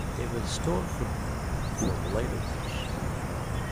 They will store food for later use.